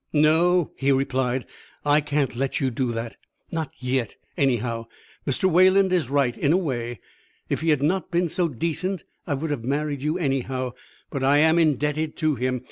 "No," he replied, "I can't let you do that. Not yet, anyhow. Mr. Wayland is right, in a way. If he had not been so decent I would have married you anyhow, but I am indebted to him.